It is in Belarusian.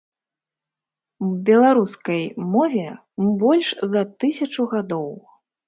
Беларускай мове больш за тысячу гадоў.